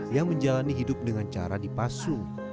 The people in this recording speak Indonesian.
yang menjalani hidup dengan cara dipasung